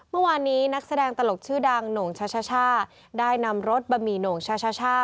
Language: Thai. เมื่อวานนี้นักแสดงตลกชื่อดังโหน่งช่าได้นำรถบะหมี่โหน่งชาช่า